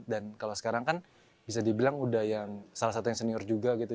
dan kalau sekarang kan bisa dibilang udah yang salah satu yang senior juga gitu